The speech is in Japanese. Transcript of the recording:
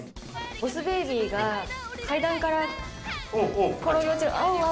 ボス・ベイビーが階段から転げ落ちる「アウアウ」